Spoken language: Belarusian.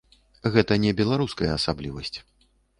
Гэта не беларуская асаблівасць.